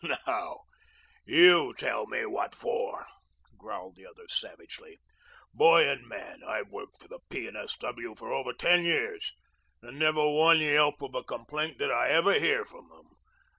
"Now, YOU tell me what for," growled the other savagely. "Boy and man, I've worked for the P. and S. W. for over ten years, and never one yelp of a complaint did I ever hear from them.